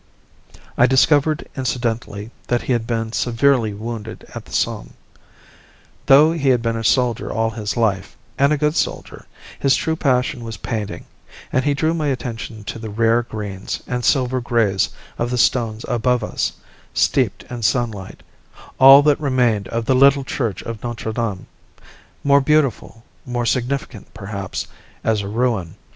I discovered incidentally that he had been severely wounded at the Somme. Though he had been a soldier all his life, and a good soldier, his true passion was painting, and he drew my attention to the rare greens and silver greys of the stones above us, steeped in sunlight all that remained of the little church of Notre Dame more beautiful, more significant, perhaps, as a ruin.